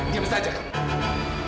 diam saja kamu